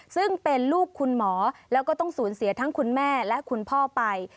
ซึ่งเป็นลูกคุณหมอแล้วก็ต้องสูญเสียทั้งคุณแม่และคุณพ่อไป